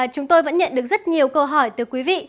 chúng tôi vẫn nhận được rất nhiều câu hỏi từ quý vị